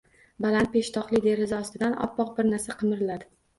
Baland peshtoqli deraza ostidan oppoq bir narsa qimirladi.